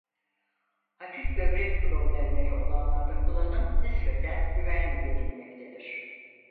Hafif böbrek problemleri olanlarda kullanım nispeten güvenli görünmektedir.